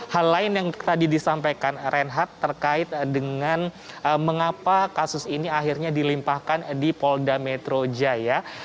hal lain yang tadi disampaikan reinhard terkait dengan mengapa kasus ini akhirnya dilimpahkan di polda metro jaya